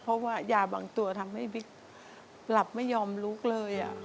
เพราะว่ายาบางตัวทำให้บิ๊กหลับไม่ยอมลุกเลย